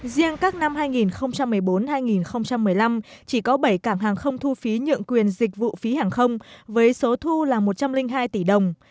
riêng các năm hai nghìn một mươi bốn hai nghìn một mươi năm chỉ có bảy cảng hàng không thu phí nhượng quyền dịch vụ phí hàng không với số thu là một trăm linh hai tỷ đồng